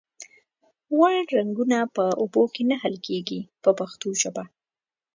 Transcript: غوړ رنګونه په اوبو کې نه حل کیږي په پښتو ژبه.